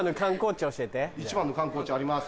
１番の観光地あります。